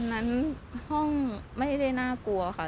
นั้นห้องไม่ได้น่ากลัวค่ะ